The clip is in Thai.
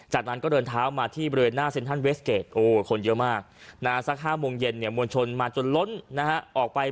จากนั้นก็เดินเท้ามาที่บริเวณหน้าเซ็นทรัลเวสเกจคนเยอะมากสัก๕โมงเย็นเนี่ยมวลชนมาจนล้นนะฮะออกไป